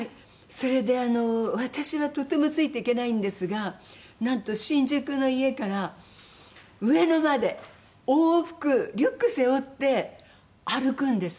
それであの私はとてもついていけないんですがなんと新宿の家から上野まで往復リュック背負って歩くんです。